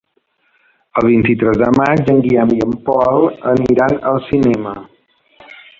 El vint-i-tres de maig en Guillem i en Pol aniran al cinema.